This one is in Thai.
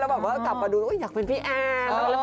แบบว่ากลับมาดูอยากเป็นพี่แอน